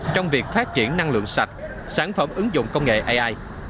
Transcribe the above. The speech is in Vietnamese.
trong việc phát triển năng lượng sạch sản phẩm ứng dụng công nghệ ai